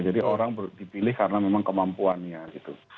jadi orang dipilih karena memang kemampuannya gitu